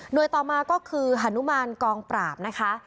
โดยต่อมาก็คือฮานุมานกองปราบนะคะ